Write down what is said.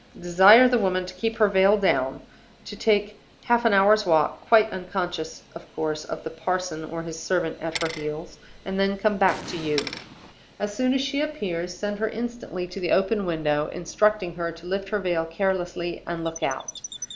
Desire the woman to keep her veil down, to take half an hour's walk (quite unconscious, of course, of the parson or his servant at her heels), and then to come back to you. As soon as she appears, send her instantly to the open window, instructing her to lift her veil carelessly and look out.